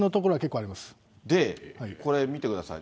で、これ見てください。